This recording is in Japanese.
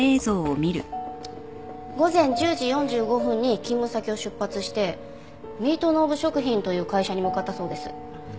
午前１０時４５分に勤務先を出発してミートノーブ食品という会社に向かったそうです。